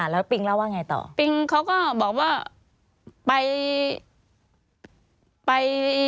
แล้วปิงเล่าว่าไงต่อปิงเขาก็บอกว่าไปไป